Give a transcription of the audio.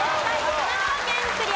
神奈川県クリアです。